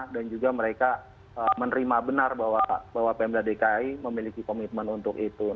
dan juga mereka menerima benar bahwa pmd dki memiliki komitmen untuk memakamkan